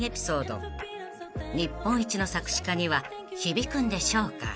［日本一の作詞家には響くんでしょうか？］